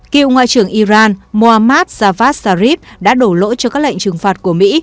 cựu ngoại trưởng iran mohammad javad zarif đã đổ lỗi cho các lệnh trừng phạt của mỹ